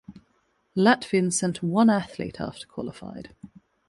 Latvian sent one athlete after qualified.